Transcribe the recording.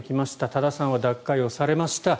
多田さんは脱会をされました。